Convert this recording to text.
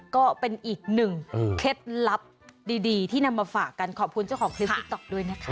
ก็เป็นอีกหนึ่งเคล็ดลับดีที่นำมาฝากกันขอบคุณเจ้าของคลิปติ๊กต๊อกด้วยนะคะ